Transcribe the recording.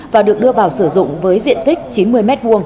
và được đưa vào sử dụng với diện tích chín mươi m hai